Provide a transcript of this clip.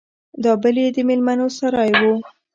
دا بل يې د ميلمنو سراى و.